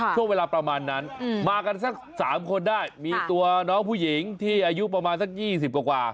ช่วงเวลาประมาณนั้นมากันสัก๓คนได้มีตัวน้องผู้หญิงที่อายุประมาณสัก๒๐กว่า